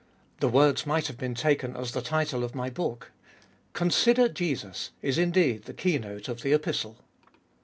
The words might have been taken as the title of my book : Consider Jesus ! is indeed the keynote of the Epistle.